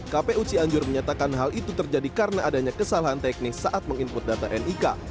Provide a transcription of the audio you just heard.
kp uci anjur menyatakan hal itu terjadi karena adanya kesalahan teknis saat menginput data nik